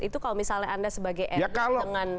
itu kalau misalnya anda sebagai anak dengan